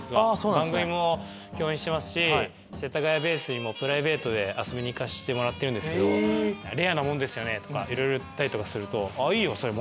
番組も共演してますし世田谷ベースにもプライベートで遊びに行かしてもらってるんですけど。とかいろいろ言ったりとかすると。